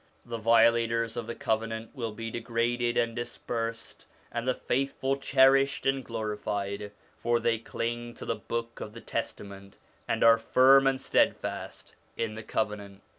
The violators of the Covenant will be degraded and dispersed, and the faithful cherished and glorified, for they cling to the Book of the Testament, and are firm and steadfast in the Covenant.